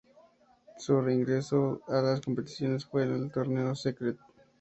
Su reingreso a las competiciones fue en el torneo "Secret.